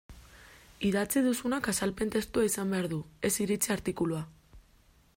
Idatzi duzunak azalpen testua izan behar du, ez iritzi artikulua.